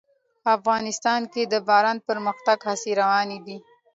افغانستان کې د باران د پرمختګ هڅې روانې دي.